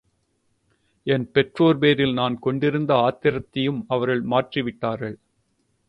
என் பெற்றோர் பேரில் நான் கொண்டிருந்த ஆத்திரத்தையும் அவர்கள் மாற்றி விட்டார்கள்.